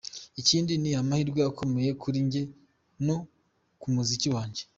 Ikindi ni amahirwe akomeye kuri njye no ku muziki wanjye.